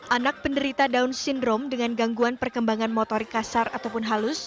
anak penderita down syndrome dengan gangguan perkembangan motorik kasar ataupun halus